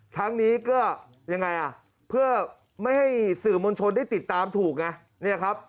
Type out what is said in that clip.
ทั้งนี้ก็เพื่อไม่ให้สื่อมนชนได้ติดตามถูก